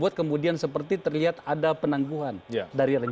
terkait dengan pp sembilan puluh sembilan